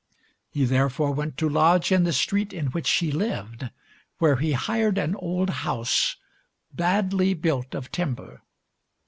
He therefore went to lodge in the street in which she lived, where he hired an old house, badly built of timber.